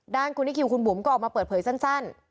ด้านคุณลิคคิมคุณบุ๋มก็มาเปิดเผยสั้น